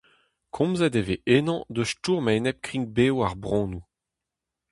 Komzet e vez ennañ eus stourm a-enep krign-bev ar bronnoù.